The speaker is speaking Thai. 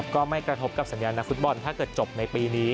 ก็ไม่กระทบกับสัญญานักฟุตบอลถ้าเกิดจบในปีนี้